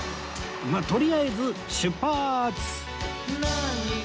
まっとりあえず出発！